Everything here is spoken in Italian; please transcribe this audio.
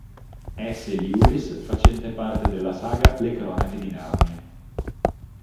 S. Lewis facente parte della saga "Le cronache di Narnia".